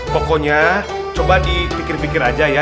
pokoknya coba dipikir pikir aja ya